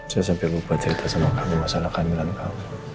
saya sampai lupa cerita sama kamu masalah kandungan kamu